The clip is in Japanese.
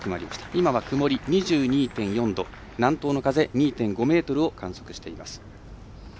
今は曇り、２２．４度南東の風２．５メートルを観測しています。